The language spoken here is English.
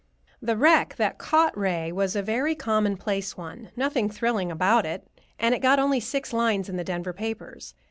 The wreck that "caught" Ray was a very commonplace one; nothing thrilling about it, and it got only six lines in the Denver papers.